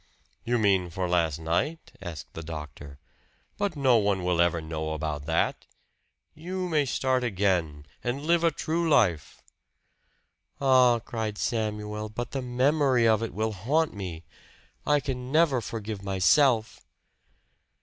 "You mean for last night?" asked the doctor. "But no one will ever know about that. You may start again and live a true life." "Ah," cried Samuel, "but the memory of it will haunt me I can never forgive myself!"